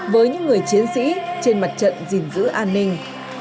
với những người chiến sĩ trên mặt trận gìn giữ an ninh